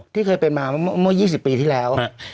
ที่เคยเป็นมาเมื่อ๒๐ปีที่แล้ว